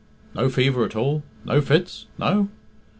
"No fever at all? No fits? No?"